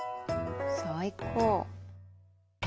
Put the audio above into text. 最高。